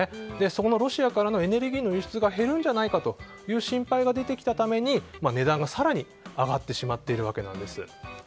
そのロシアからのエネルギーの輸出が減るんじゃないかという心配が出てきたために値段が更に上がってしまっているわけです。